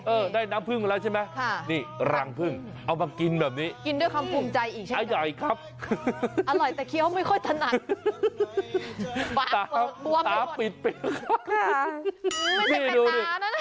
โอ้โหว่าตายแล้วสงสาร